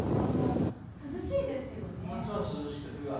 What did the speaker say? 涼しいですよね。